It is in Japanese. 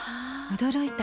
驚いた。